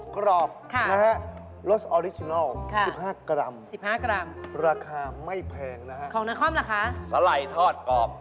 ของผมสาหร่ายอบกรอบ